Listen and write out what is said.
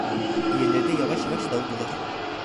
Diğerleri de yavaş yavaş dağıldılar.